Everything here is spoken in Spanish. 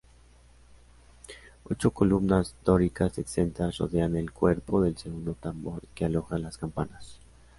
Ocho columnas dóricas exentas rodean el cuerpo del segundo tambor que aloja las campanas.